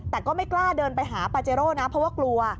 แต่ก็ไม่กล้าเดินไปหาปาเจโร่นะเพราะว่ากลัว